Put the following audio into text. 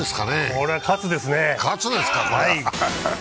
これは喝ですね。